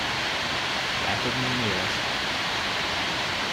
Látod, milyen éles?